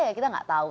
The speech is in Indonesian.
ya kita tidak tahu